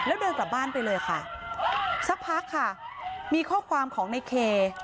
แล้วเดินกลับบ้านไปเลยค่ะสักพักค่ะมีข้อความของในเค